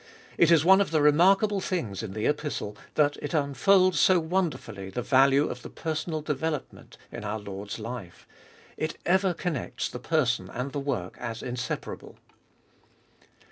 It is one of the remarkable things in the Epistle that it unfolds so wonder fully the value of the personal development in our Lord's life. It ever connects the person and the work as inseparable.